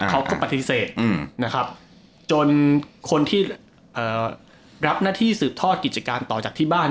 เขาก็ปฏิเสธนะครับจนคนที่รับหน้าที่สืบทอดกิจการต่อจากที่บ้าน